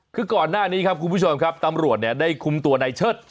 คือก่อนหน้านี้ครับคุณผู้ชมครับตำรวจเนี่ยได้คุมตัวในเชิด